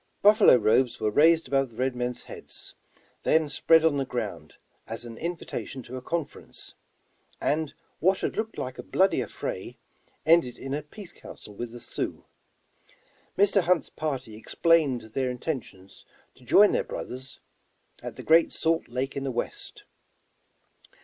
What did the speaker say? Buffalo robes were raised above the red men's heads, then spread on the ground as an invitation to a con ference, and what had looked like a bloody affray end ed in a peace council with the Sioux. Mr. Hunt's party explained their intentions to join their brothers, at the great salt lake in the west.